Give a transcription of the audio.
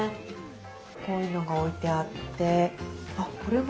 こういうのが置いてあってこれは？